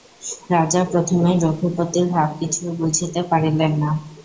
রাজা প্রথমে রঘুপতির ভাব কিছু বুঝিতে পারিলেন না।